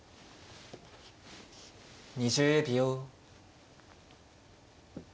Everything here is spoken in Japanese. ２０秒。